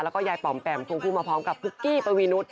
แล้วก็ยายปอ๋อมแป่มทุกมาพร้อมกับฮุกกี้ปะวีนุษย์